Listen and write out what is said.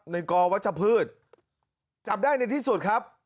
กอวัชพืชจับได้ในที่สุดครับ